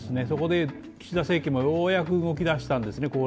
そこで岸田政権もようやく動き出したんですね